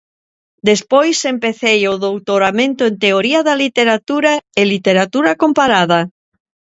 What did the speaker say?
Despois empecei o doutoramento en Teoría da Literatura e Literatura Comparada.